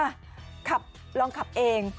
ขับลองขับเอง